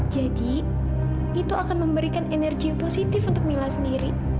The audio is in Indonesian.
jadi itu akan memberikan energi positif untuk mila sendiri